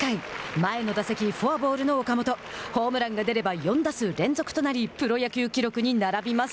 前の打席、フォアボールの岡本ホームランが出れば４打数連続となりプロ野球記録に並びます。